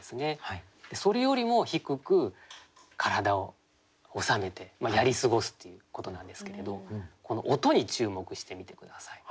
それよりも低く体を収めてやり過ごすっていうことなんですけれどこの音に注目してみて下さい。